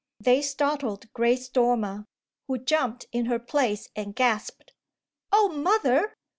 They startled Grace Dormer, who jumped in her place and gasped, "Oh mother!"